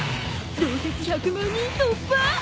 同接１００万人突破。